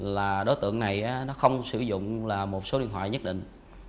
là đối tượng này nó không sử dụng là một số điện thoại nhất định